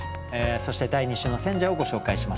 そして第２週の選者をご紹介しましょう。